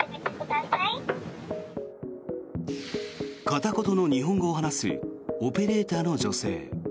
片言の日本語を話すオペレーターの女性。